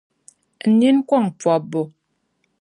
n nini kɔŋ pɔbbu.